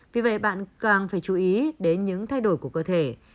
vì vậy bạn càng phải chú ý đến những thay đổi của cơ thể